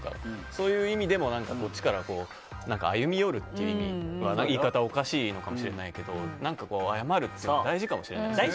そういう意味でもこっちから歩み寄るというのは言い方おかしいかもしれないけど謝るのは大事かもしれないですね。